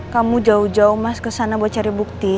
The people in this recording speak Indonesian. kamu jauh jauh mas ke sana buat cari bukti